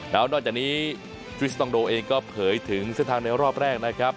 แล้วนอกจากนี้ฟริสตองโดเองก็เผยถึงเส้นทางในรอบแรกนะครับ